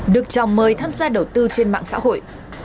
được chào mời tham gia đầu tư trên mạng xã hội